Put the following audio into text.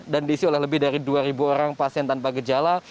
dan diisi oleh lebih dari dua orang pasien tanpa gejala